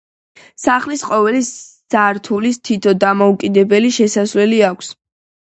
სახლის ყოველ სართულს თითო დამოუკიდებელი შესასვლელი აქვს.